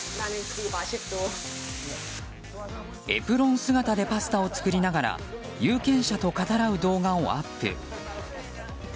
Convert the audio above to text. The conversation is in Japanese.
エプロン姿でパスタを作りながら有権者と語らう動画をアップ。